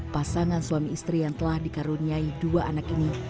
pasangan suami istri yang telah dikaruniai dua anak ini